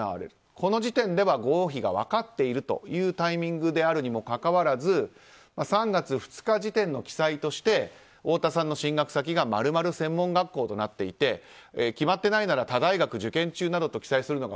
この時点では合否が分かっているというタイミングであるにもかかわらず３月２日時点の記載として太田さんの進学先が○○専門学校となっていて決まっていないなら他大学受験中などと記載するのが